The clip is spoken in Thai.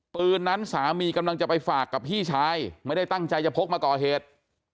ปืนนั้นสามีกำลังจะไปฝากกับพี่ชายไม่ได้ตั้งใจจะพกมาก่อเหตุ